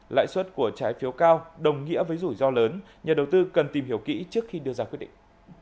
lãi suất của trái phiếu cao đồng nghĩa với rủi ro lớn nhà đầu tư cần tìm hiểu kỹ trước khi đưa ra quyết định